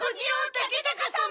竹高様！